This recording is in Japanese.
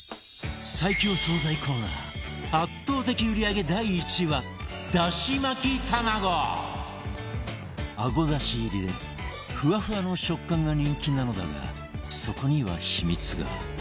最強惣菜コーナー圧倒的売り上げあごだし入りでフワフワの食感が人気なのだがそこには秘密が